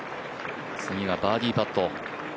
次がバーディーパット。